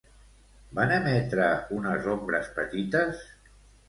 Van emetre unes ombres petites?